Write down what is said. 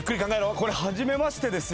これ初めましてですよ